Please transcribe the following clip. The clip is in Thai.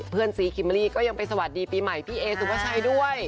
เพื่อนซีคิมอรี่ก็ยังไปสวัสดีปีใหม่พี่เอสุภาชัยด้วย